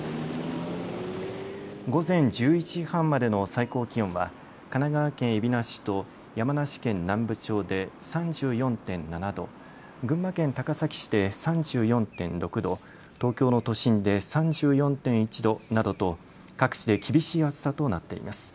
午前１１時半までの最高気温は神奈川県海老名市と山梨県南部町で３４．７度、群馬県高崎市で３４．６度、東京の都心で３４．１度などと各地で厳しい暑さとなっています。